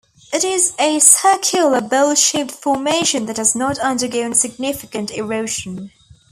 It is a circular, bowl-shaped formation that has not undergone significant erosion.